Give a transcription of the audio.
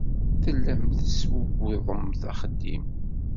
Tellamt tesbubbuḍemt axeddim.